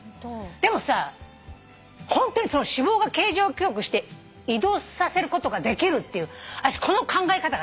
でもさホントに脂肪が形状記憶して移動させることができるっていう私この考え方が大好き。